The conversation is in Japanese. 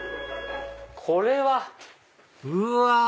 これは。うわ！